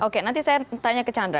oke nanti saya tanya ke chandra